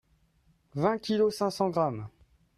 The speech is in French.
Vingt kilos cinq cents grammes.